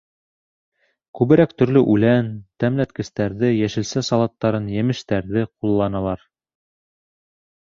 Күберәк төрлө үлән, тәмләткестәрҙе, йәшелсә салаттарын, емештәрҙе ҡулланалар.